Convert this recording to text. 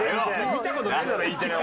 見た事ないだろＥテレを。